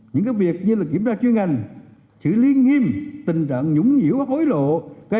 những việc như kiểm tra chuyên ngành xử lý nghiêm tình trạng nhũng nhỉu và hối lộ gây cẩn trở phát triển